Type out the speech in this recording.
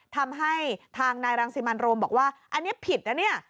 ทำให้ทางนายรังสิมันโรมบอกว่าอันนี้ผิดนะเนี่ย